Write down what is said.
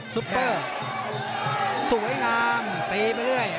สวยงามว้างเตียนไปกลัวเลย